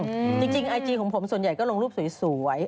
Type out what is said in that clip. จริงทางอิจียาสินค้าของผมส่วนใหญ่ก็ลงรูปสวย